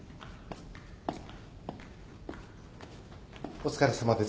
お疲れさまです。